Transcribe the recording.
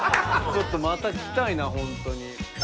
ちょっとまた来たいなホントに。